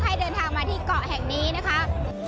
ให้เดินทางมาที่เกาะแห่งนี้นะคะ